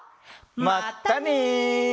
まったね！